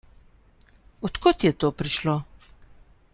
Od kod je to prišlo?